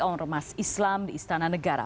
om remas islam di istana negara